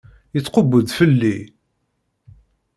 Yettkubbu-d fell-i.